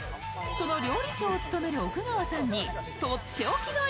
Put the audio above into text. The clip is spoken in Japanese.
その料理長を務める奥川さんにとっておきの鮎